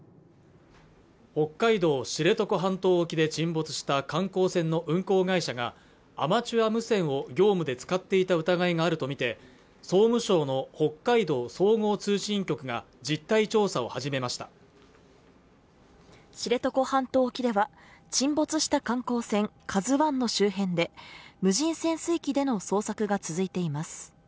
北海道知床半島沖で沈没した観光船の運航会社がアマチュア無線を業務で使っていた疑いがあると見て総務省の北海道総合通信局が実態調査を始めました知床半島沖では沈没した観光船「ＫＡＺＵ１」の周辺では無人潜水機での捜索が続いています